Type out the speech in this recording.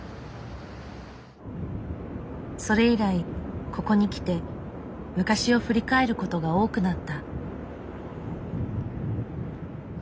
それ以来ここに来て昔を振り返る事が多くなった。